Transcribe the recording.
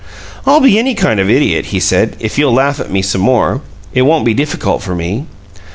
"I'll be any kind of idiot," he said, "if you'll laugh at me some more. It won't be difficult for me."